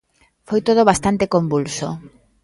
Foi todo bastante convulso.